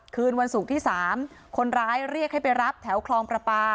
คืนวันศุกร์ที่๓คนร้ายเรียกให้ไปรับแถวคลองประปา